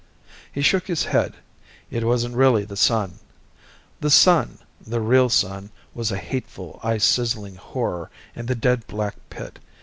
He shook his head. It wasn't really the sun. The sun, the real sun, was a hateful eye sizzling horror in the dead black pit.